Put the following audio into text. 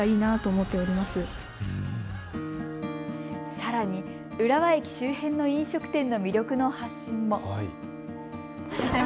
さらに、浦和駅周辺の飲食店の魅力の発信も。